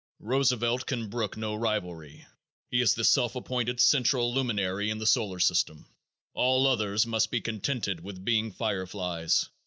Roosevelt can brook no rivalry. He is the self appointed central luminary in the solar system. All others must be contented with being fire flies.